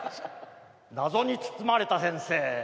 謎に包まれた先生。